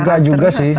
enggak juga sih